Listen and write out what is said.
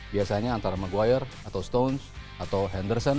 biasanya antara maguire atau stones atau henderson